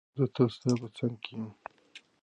زه تل ستا په څنګ کې یم.